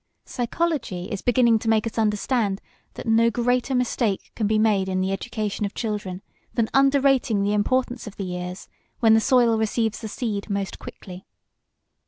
Psychology is beginning to make us understand that no greater mistake can be made in the education of children than underrating the importance of the years when the soil receives the seed most quickly.